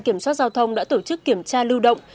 kiểm soát giao thông đã tổ chức kiểm tra lưu động